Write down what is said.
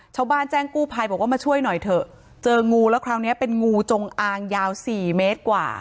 ชาวบ้านแจ้งกู้ภัยบอกว่ามาช่วยหน่อยเถอะเจองูแล้วคราวนี้เป็นงูจงอางยาวสี่เมตรกว่า